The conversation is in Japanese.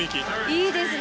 いいですね！